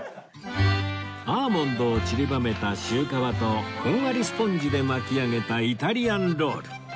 アーモンドをちりばめたシュー皮とふんわりスポンジで巻き上げたイタリアンロール